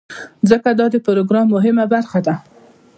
ځکه دا د پروګرام مهمه برخه ده.